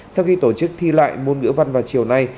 sau khi tổ chức thi lại môn ngữ văn vào chiều nay